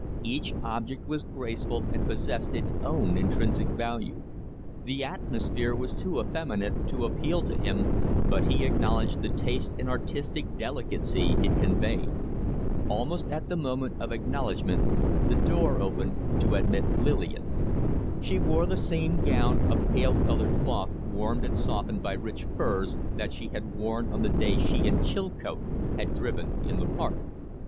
Each object was graceful, and possessed its own intrinsic value. The atmosphere was too effeminate to appeal to him, but he acknowledged the taste and artistic delicacy it conveyed. Almost at the moment of acknowledgment the door opened to admit Lillian. She wore the same gown of pale colored cloth, warmed and softened by rich furs, that she had worn on the day she and Chilcote had driven in the park.